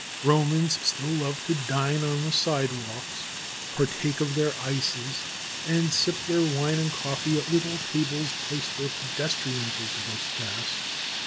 Romans still love to dine on the sidewalks, partake of their ices, and sip their wine and coffee at little tables placed where pedestrians are supposed to pass.